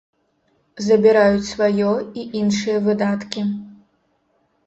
Забіраюць сваё і іншыя выдаткі.